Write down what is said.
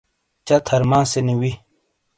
چہ تھرماسِینی وِی۔